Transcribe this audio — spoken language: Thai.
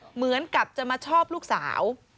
เหมือนกับจะมาชอบลูกสาว